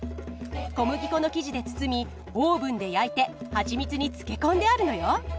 小麦粉の生地で包みオーブンで焼いてハチミツに漬け込んであるのよ。